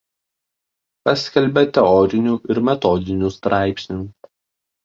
Paskelbė teorinių ir metodinių straipsnių.